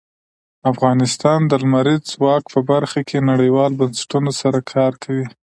افغانستان د لمریز ځواک په برخه کې نړیوالو بنسټونو سره کار کوي.